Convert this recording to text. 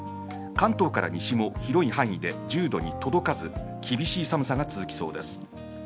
関東から西も広い範囲で１０度に届かず厳しい寒さが続きそうです。